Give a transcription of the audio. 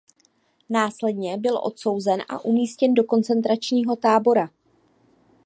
Následně byl odsouzen a umístěn do koncentračního tábora.